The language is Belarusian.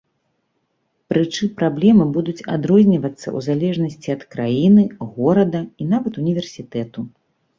Прычым праблемы будуць адрозніваюцца ў залежнасці ад краіны, горада і нават універсітэту.